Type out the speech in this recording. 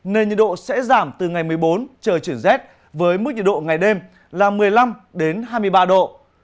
nên nhiệt độ sẽ giảm từ ngày một mươi bốn trời chuyển rét với mức nhiệt độ ngày đêm là một mươi năm hai mươi ba độ